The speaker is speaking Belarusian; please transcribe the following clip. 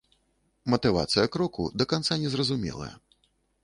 Матывацыя кроку да канца незразумелая.